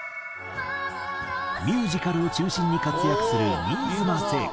ミュージカルを中心に活躍する新妻聖子。